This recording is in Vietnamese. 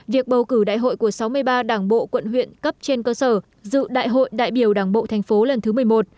việc bầu cử đại hội của sáu mươi ba đảng bộ quận huyện cấp trên cơ sở dự đại hội đại biểu đảng bộ tp lần thứ một mươi một